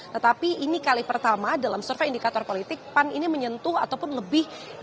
tetapi ini kali pertama dalam survei indikator politik pan ini menyentuh ataupun lebih